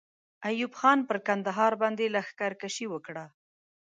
ایوب خان پر کندهار باندې لښکر کشي وکړه.